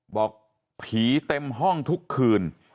บอกผีเต็มห้องทุกคืน